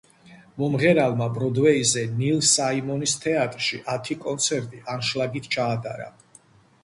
მომღერალმა ბროდვეიზე ნილ საიმონის თეატრში ათი კონცერტი ანშლაგით ჩაატარა.